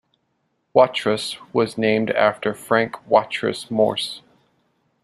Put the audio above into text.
Watrous was named after Frank Watrous Morse.